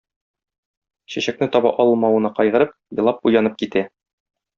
Чәчәкне таба алмавына кайгырып, елап уянып китә.